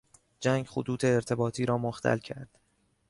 جنگ خطوط ارتباطی را مختل کرد.